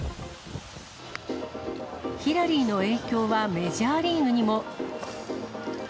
ヒラリーの影響はメジャーリーグにも。